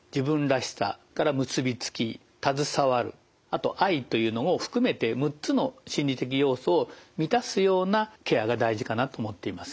というのを含めて６つの心理的要素を満たすようなケアが大事かなと思っています。